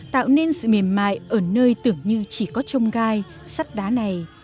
tạo nên sự mềm mại ở nơi tưởng như chỉ có trông gai sắt đá này